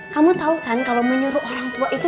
kamu tau kan kalo menyuruh orang tua itu